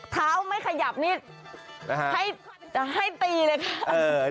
เท้าไม่ขยับนิดให้ตีเลยค่ะ